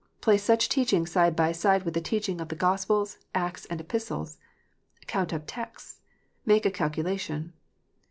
Place such teaching side by side with the teaching of the Gospels, Acts, and Epistles. Count up texts. Make a calculation.